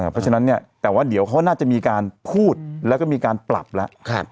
เพราะฉะนั้นเดี๋ยวเค้าน่าจะมีการพูดแล้วก็มีการปรับแล้ว